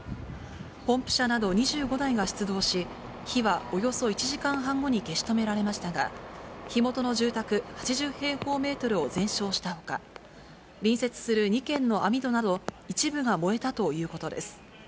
ポンプ車など２５台が出動し、火はおよそ１時間半後に消し止められましたが、火元の住宅８０平方メートルを全焼したほか、隣接する２軒の網戸など、一部が燃えたということです。